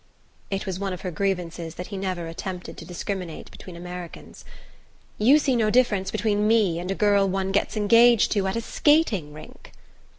It was one of her grievances that he never attempted to discriminate between Americans. "You see no difference between me and a girl one gets engaged to at a skating rink!"